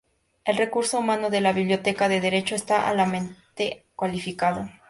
El recurso humano de la Biblioteca de Derecho está altamente cualificado.